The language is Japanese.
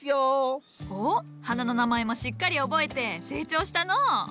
おっ花の名前もしっかり覚えて成長したのう。